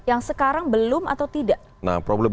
yang sekarang belum atau tidak nah problem